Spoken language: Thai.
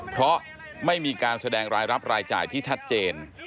เพราะไม่มีการแสดงรายรับรายจ่ายที่ชัดเจน